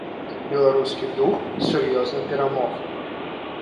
Беларускі дух сур'ёзна перамог!